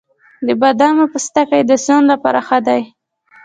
د بادامو پوستکی د سون لپاره ښه دی؟